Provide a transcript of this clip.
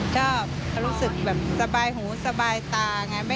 ชอบรู้สึกสบายหูสบายตา